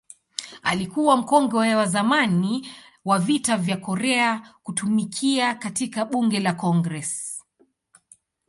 Alikuwa mkongwe wa zamani wa Vita vya Korea kutumikia katika Bunge la Congress.